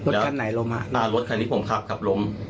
รถคันไหนล้มรถคันที่ผมขับกลับล้ม